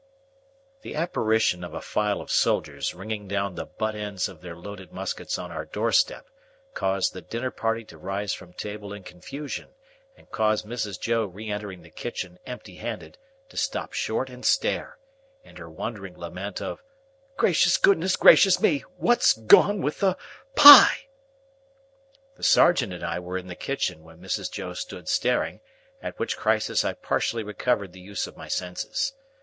The apparition of a file of soldiers ringing down the but ends of their loaded muskets on our door step, caused the dinner party to rise from table in confusion, and caused Mrs. Joe re entering the kitchen empty handed, to stop short and stare, in her wondering lament of "Gracious goodness gracious me, what's gone—with the—pie!" The sergeant and I were in the kitchen when Mrs. Joe stood staring; at which crisis I partially recovered the use of my senses.